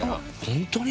本当に？